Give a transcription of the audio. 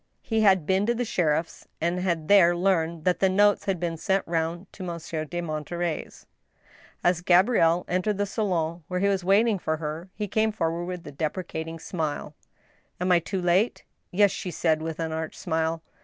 He had been to the sheriff's, and had there learned that the notes had been sent round to Monsieur de Monterey's. As Gabrielle entered the salon where he was waiting for her, he came forward with a deprecating smile. " Am I too late >"Yes," she said, with an arch smile.